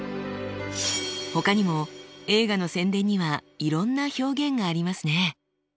ほかにも映画の宣伝にはいろんな表現がありますね。